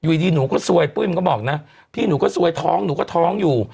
อยู่ดีหนูก็ซวยปุ้ยมันก็บอกนะพี่หนูก็ซวยท้องหนูก็ท้องอยู่